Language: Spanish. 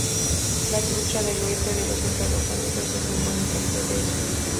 La trucha del oeste de los Estados Unidos es un buen ejemplo de esto.